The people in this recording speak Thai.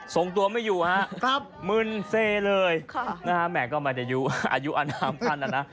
ส่งตัวไม่อยู่ฮะมึนเซเลยแหมก็ไม่ได้ยุอายุอนามท่านนะนะ